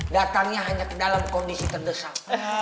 datangnya hanya ke dalam kondisi terdesak